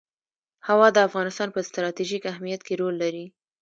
هوا د افغانستان په ستراتیژیک اهمیت کې رول لري.